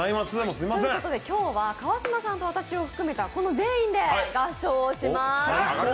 今日は川島さんと私を含めた全員で合唱します。